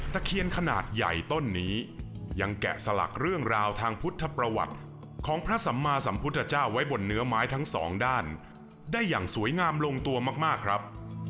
เคียนขนาดใหญ่ต้นนี้ยังแกะสลักเรื่องราวทางพุทธประวัติของพระสัมมาสัมพุทธเจ้าไว้บนเนื้อไม้ทั้งสองด้านได้อย่างสวยงามลงตัวมากครับ